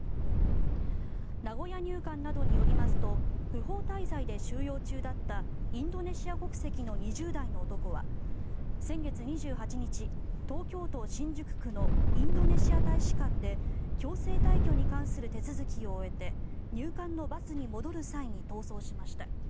名古屋入管などによりますと不法滞在で収容中だったインドネシア国籍の２０代の男は先月２８日東京都新宿区のインドネシア大使館で強制退去に関する手続きを終えて入管のバスに戻る際に逃走しました。